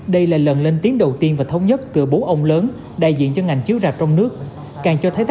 đây là lần lên tiếng đầu tiên và thống nhất cửa bố ông lớn đại diện cho ngành chiếu rạp trong nước